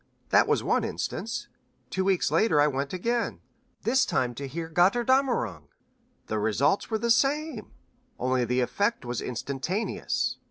That was one instance. Two weeks later I went again, this time to hear 'Götterdämmerung.' The results were the same, only the effect was instantaneous.